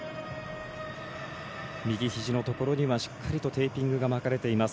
右ひじのところにはしっかりとテーピングが巻かれています。